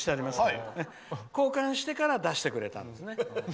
交換してから出してくれたんですね。